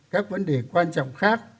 các vấn đề quan trọng khác